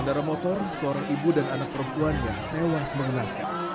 kendaraan motor seorang ibu dan anak perempuannya tewas mengeraskan